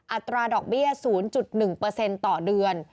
อัตราดอกเบี้ย๐๑ต่อเดือน